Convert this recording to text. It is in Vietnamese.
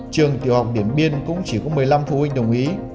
trường tiểu học điện biên cũng chỉ có một mươi năm phụ huynh đồng ý